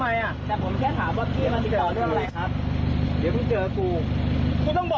มึงอย่าพูดมึงอย่าเรื่องเยอะ